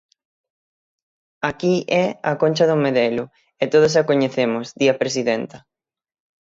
"Aquí é A Concha do Medelo, e todos a coñecemos", di a presidenta.